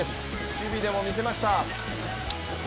守備でも見せました。